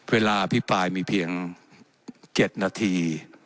เวลาอภิปัยมีเพียง๗นาที